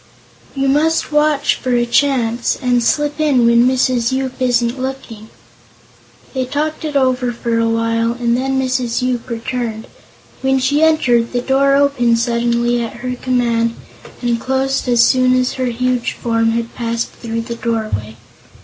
You must watch for a chance, and slip in when Mrs. Yoop isn't looking." They talked it over for a while longer and then Mrs. Yoop returned. When she entered, the door opened suddenly, at her command, and closed as soon as her huge form had passed through the doorway.